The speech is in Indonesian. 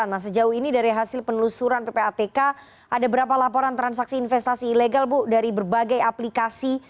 nah sejauh ini dari hasil penelusuran ppatk ada berapa laporan transaksi investasi ilegal bu dari berbagai aplikasi